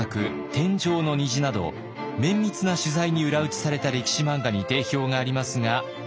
「天上の虹」など綿密な取材に裏打ちされた歴史漫画に定評がありますが。